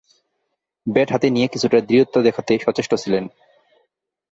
Bat হাতে নিয়ে কিছুটা দৃঢ়তা দেখাতে সচেষ্ট ছিলেন।